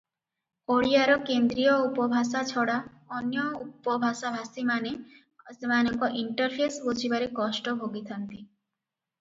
ଓଡ଼ିଆର କେନ୍ଦ୍ରୀୟ ଉପଭାଷା ଛଡ଼ା ଅନ୍ୟ ଉପଭାଷାଭାଷୀମାନେ ସେମାନଙ୍କ ଇଣ୍ଟରଫେସ ବୁଝିବାରେ କଷ୍ଟ ଭୋଗିଥାନ୍ତି ।